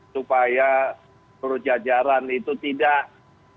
supaya perjajaran itu tidak gagal